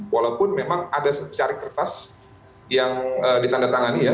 walaupun memang ada secari kertas yang ditandatangani ya